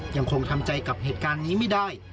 ยังคงทำใจกับเหตุการณ์นี้ไม่ได้